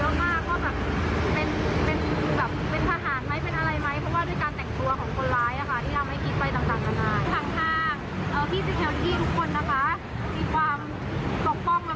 โลกนั้นเราก็เลยนึกถึงเป็นห่วงว่าแล้วคนที่อยู่ข้างในมันเป็นแบบไหน